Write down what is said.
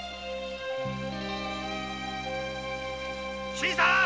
・新さん！